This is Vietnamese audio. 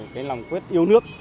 cái lòng quyết yêu nước